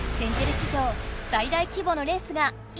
史上最大規模のレースが今はじまる！